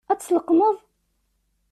Ad tt-tleqqmeḍ?